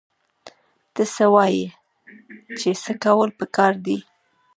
ته څه وايې چې څه کول پکار دي؟